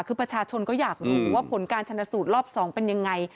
คือประชาชนก็อยากรู้ว่าผลการชนสูตรรอบ๒เป็นยังไง